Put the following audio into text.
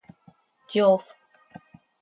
Yoofp.